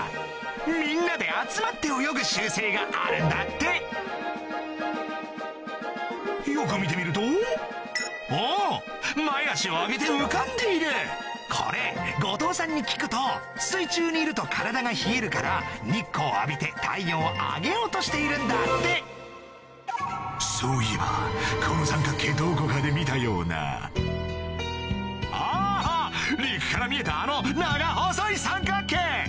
みんなで集まって泳ぐ習性があるんだってよく見てみるとあっ前足を上げて浮かんでいるこれ後藤さんに聞くと水中にいると体が冷えるから日光を浴びて体温を上げようとしているんだってそういえばこの三角形どこかで見たようなあっ陸から見えたあの長細い三角形！